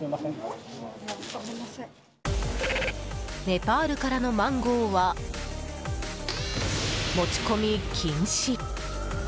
ネパールからのマンゴーは持ち込み禁止。